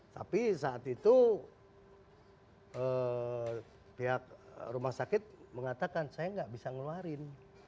tapi saat itu pihak rumah sakit mengatakan saya nggak bisa ngeluarin